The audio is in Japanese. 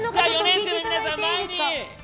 ４年生の皆さん、前に。